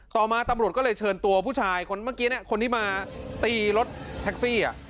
ต่อมาตำรวจก็เลยเชิญตัวผู้ชายคนเมื่อกี้คนที่มาตีรถแท็กซี่